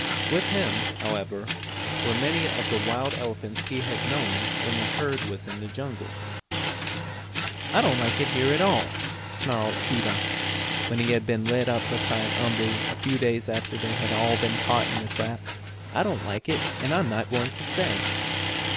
With him, however, were many of the wild elephants he had known when the herd was in the jungle. Keedah was one of these elephants. "I don't like it here at all!" snarled Keedah, when he had been led up beside Umboo, a few days after they had all been caught in the trap. "I don't like it, and I'm not going to stay!"